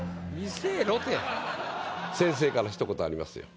先生から一言ありますよ。